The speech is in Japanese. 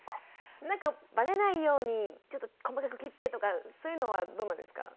なんかバレないようにちょっと細かく切ってとかそういうのはどうなんですか？